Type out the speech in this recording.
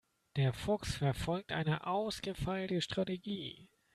Der Fuchs verfolgt eine ausgefeilte Strategie.